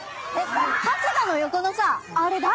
春日の横のさあれ誰？